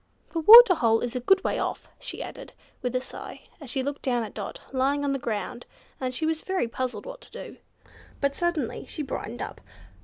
The water hole is a good way off," she added, with a sigh, as she looked down at Dot, lying on the ground, and she was very puzzled what to do. But suddenly she brightened up.